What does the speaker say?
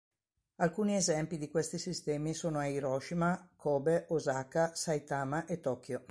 Alcuni esempi di questi sistemi sono a Hiroshima, Kobe, Osaka, Saitama e Tokyo.